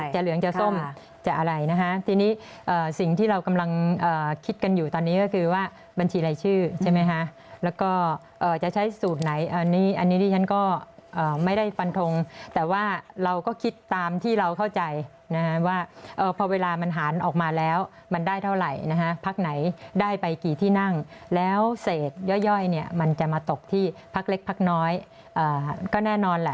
เหลืองจะส้มจะอะไรนะฮะทีนี้สิ่งที่เรากำลังคิดกันอยู่ตอนนี้ก็คือว่าบัญชีรายชื่อใช่ไหมคะแล้วก็จะใช้สูตรไหนอันนี้ที่ฉันก็ไม่ได้ฟันทงแต่ว่าเราก็คิดตามที่เราเข้าใจนะฮะว่าพอเวลามันหารออกมาแล้วมันได้เท่าไหร่นะฮะพักไหนได้ไปกี่ที่นั่งแล้วเศษย่อยเนี่ยมันจะมาตกที่พักเล็กพักน้อยก็แน่นอนแหละ